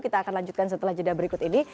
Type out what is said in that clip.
kita akan lanjutkan setelah jeda berikut ini